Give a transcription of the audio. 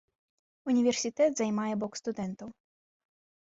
Універсітэт займае бок студэнтаў.